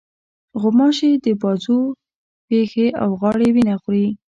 غوماشې د بازو، پښې، او غاړې وینه خوري.